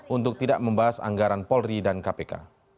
untuk tidak membahas anggaran polri dan kpk